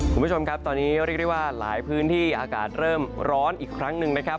คุณผู้ชมครับตอนนี้เรียกได้ว่าหลายพื้นที่อากาศเริ่มร้อนอีกครั้งหนึ่งนะครับ